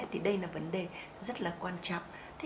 thì đây là vấn đề rất là quan trọng